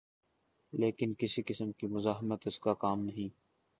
لیکن کسی قسم کی مزاحمت اس کا کام نہیں۔